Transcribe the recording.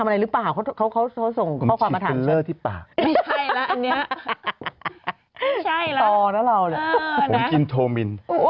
นี่อ่านอ่านกินสุขภาพดี